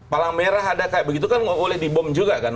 palang merah ada kayak begitu kan nggak boleh dibom juga kan